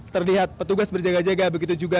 terlihat petugas berjaga jaga begitu juga